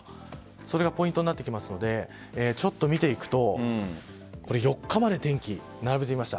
それがポイントになってくるので見ていくと４日まで天気並べてみました。